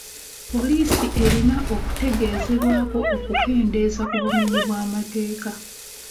Police erina okutegezebwako okukendeeza ku bumenyi bw'amateeka.